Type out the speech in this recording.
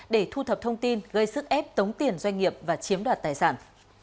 để thu thập thông tin gây sức ép tống tiền doanh nghiệp và chiếm đoạt tài sản